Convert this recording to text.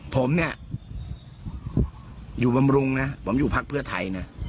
ผมเนี่ยอยู่บำรุงนะผมอยู่พักเพื่อไทยนะ